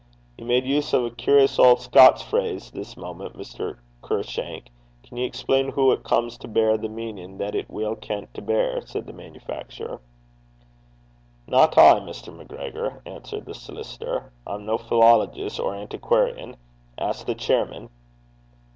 'Ye made use o' a curious auld Scots phrase this moment, Mr. Curshank: can ye explain hoo it comes to beir the meanin' that it's weel kent to beir?' said the manufacturer. 'Not I, Mr. MacGregor,' answered the solicitor. 'I'm no philologist or antiquarian. Ask the chairman.'